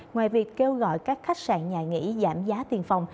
ngoài việc kêu gọi các khách sạn nhà nghỉ giảm giá tiền phòng